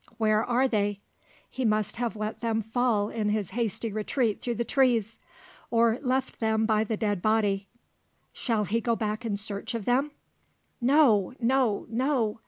Where are they? He must have let them fall in his hasty retreat through the trees; or left them by the dead body. Shall he go back in search of them? No no no!